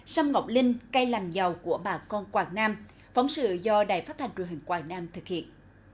sâm ngọc linh cây làm giàu của bà con quảng nam phóng sự do đài phát thanh truyền hình quảng nam thực hiện